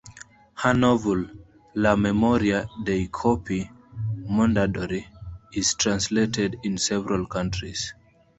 Her novel "La memoria dei corpi" (Mondadori) is translated in several Countries.